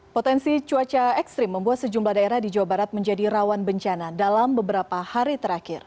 potensi cuaca ekstrim membuat sejumlah daerah di jawa barat menjadi rawan bencana dalam beberapa hari terakhir